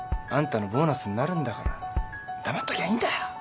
あんたのボーナスになるんだから黙っときゃいいんだよ。